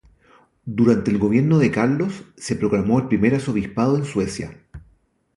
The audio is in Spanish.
Durante el gobierno de Carlos se proclamó el primer arzobispado en Suecia.